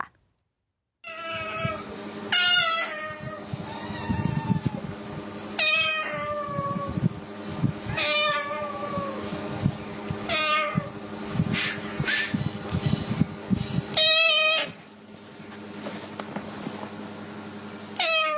แมว